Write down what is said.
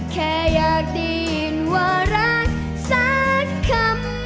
แค่อยากได้ยินว่ารักสักคำ